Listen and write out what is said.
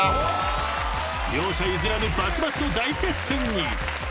［両者譲らぬバチバチの大接戦に］